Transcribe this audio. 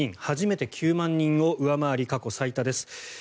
初めて９万人を上回り過去最多です。